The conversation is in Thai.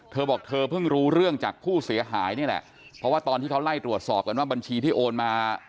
เธอบอกเธอเพิ่งรู้เรื่องจากผู้เสียหายนี่แหละเพราะว่าตอนที่เขาไล่ตรวจสอบกันว่าบัญชีที่โอนมา